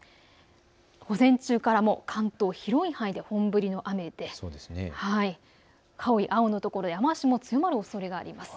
午前中からもう関東広い範囲で本降りの雨で青いところ、雨足の強まることがあります。